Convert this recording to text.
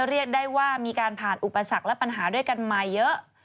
เรียกได้ว่ามีการผ่านอุปสรรคและปัญหาด้วยกันมาเยอะ